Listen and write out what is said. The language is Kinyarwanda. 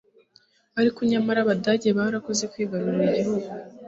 ariko nyamara Abadage baramaze kwigarurira igihugu.